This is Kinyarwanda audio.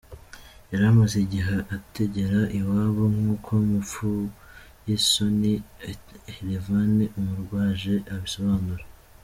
Yari amaze igihe atagera iwabo; nkuko Mupfuyisoni Helevanie umurwaje, abisobanura.